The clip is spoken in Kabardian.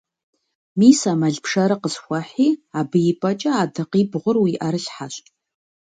Мис а мэл пшэрыр къысхуэхьи, абы и пӀэкӀэ адакъибгъур уи Ӏэрылъхьэщ.